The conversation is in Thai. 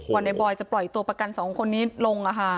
วันไหนบ่อยจะปล่อยตัวประกัน๒คนนี้ลงอ่ะค่ะ